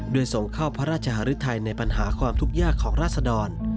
โดยส่งเข้าพระราชหารุทัยในปัญหาความทุกข์ยากของราศดร